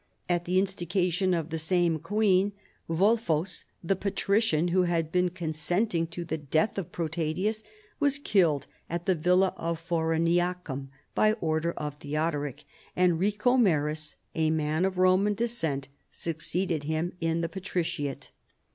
At the in stigation of the same queen Yulfos, the patrician who had been consenting to the death of Protadius was killed at the villa of Fauriniacum by order of Theodoric, and Ricomeris, a man of Roman descent succeeded him in the patriciate."